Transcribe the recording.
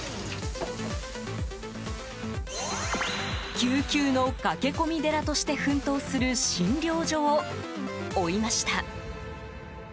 救急の駆け込み寺として奮闘する診療所を追いました。